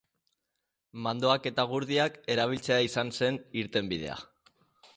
Mandoak eta gurdiak erabiltzea izan zen irtenbidea.